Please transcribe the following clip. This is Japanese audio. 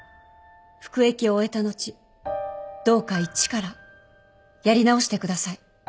服役を終えた後どうか一からやり直してください。